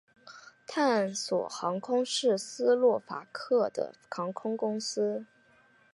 探索航空是斯洛伐克的航空公司。